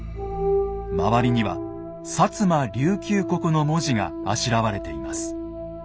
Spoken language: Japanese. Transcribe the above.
周りには「摩琉球國」の文字があしらわれています。